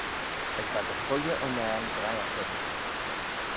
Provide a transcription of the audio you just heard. As va dy chooilley unnane graihagh urree.